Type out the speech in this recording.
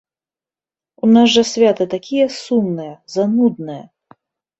У нас жа святы такія сумныя, занудныя.